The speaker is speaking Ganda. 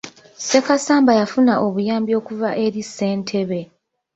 Ssekasamba yafuna obuyambi okuva eri ssentebe.